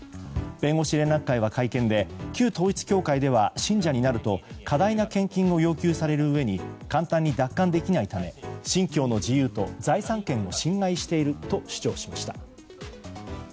弁護士連絡会は会見で旧統一教会では信者になると過大な献金を要求されるうえに簡単に脱会できないため信教の自由と財産権を侵害していると主張しました。